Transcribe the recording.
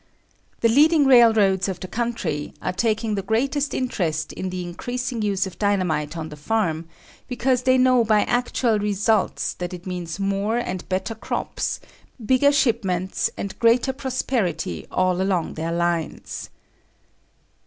The leading railroads of the country are taking the greatest interest in the increasing use of dynamite on the farm, because they know by actual results that it means more and better crops, bigger shipments and greater prosperity all along their lines.